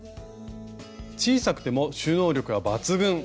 小さくても収納力は抜群！